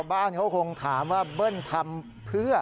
บ้านเขาคงถามว่าเบิ้ลทำเพื่อ